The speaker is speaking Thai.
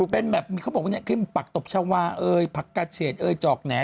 เป็นแบบเขาบอกว่าอย่างนี้คือมันผักตบชาวผักกาเช็ดจอกแหน่